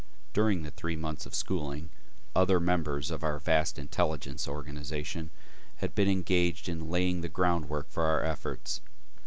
During the three months of schooling, other members of our vast intelligence organization had been engaged in laying the groundwork for our efforts.